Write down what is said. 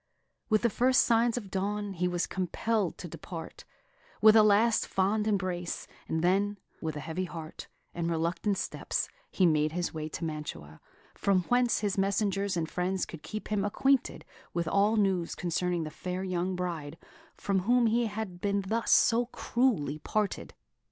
With the first signs of dawn, he was compelled to depart, with a last fond embrace, and then, with a heavy heart, and reluctant steps, he made his way to Mantua, from whence his messengers and friends could keep him acquainted with all news concerning the fair young bride from whom he had been thus so cruelly parted.